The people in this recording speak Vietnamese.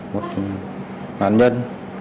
một đoàn nhân